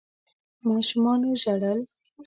ماشومانو ژړل.